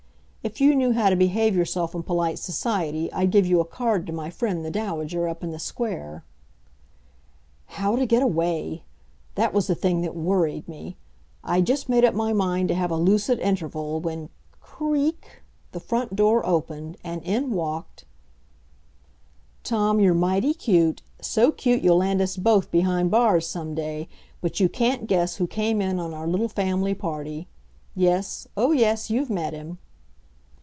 If you knew how to behave yourself in polite society, I'd give you a card to my friend, the Dowager, up in the Square. How to get away! That was the thing that worried me. I'd just made up my mind to have a lucid interval, when cr creak, the front door opened, and in walked Tom, you're mighty cute so cute you'll land us both behind bars some day but you can't guess who came in on our little family party. Yes oh, yes, you've met him.